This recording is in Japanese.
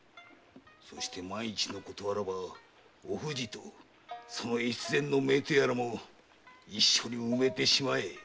そして万一のことあらばお藤とその越前の姪とやらも一緒に埋めてしまえ。